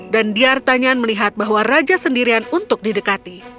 dan diatanyan melihat bahwa raja sendirian untuk didekati